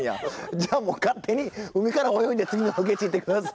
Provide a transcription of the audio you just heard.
じゃあもう勝手に海から泳いで次のロケ地行って下さい。